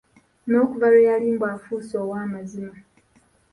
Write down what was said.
N'okuva lwe yali mbu afuuse owaamazima.